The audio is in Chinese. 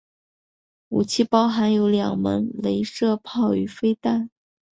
武器包含有两门雷射炮与飞弹。